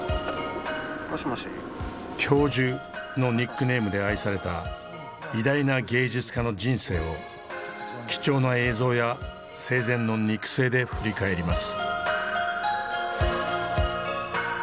「教授」のニックネームで愛された偉大な芸術家の人生を貴重な映像や生前の肉声で振り返ります。